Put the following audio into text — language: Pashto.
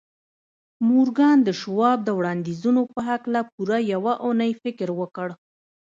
مورګان د شواب د وړانديزونو په هکله پوره يوه اونۍ فکر وکړ.